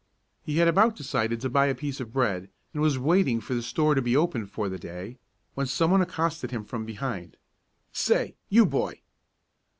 He had about decided to buy a piece of bread, and was waiting for the store to be opened for the day, when some one accosted him from behind: "Say, you boy!"